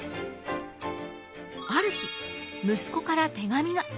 ある日息子から手紙が。